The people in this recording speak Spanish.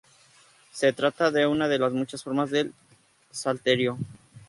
Se trata de una de las muchas formas del salterio.